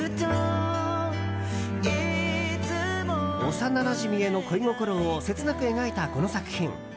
幼なじみへの恋心を切なく描いたこの作品。